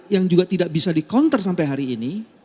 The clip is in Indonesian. yang juga tidak bisa di counter sampai hari ini